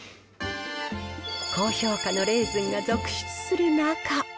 高評価のレーズンが続出する中。